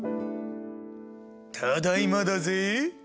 ただいまだぜぇ。